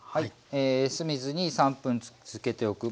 酢水に３分つけておくまあ